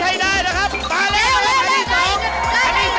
เอาลงไปลึงลึงลึง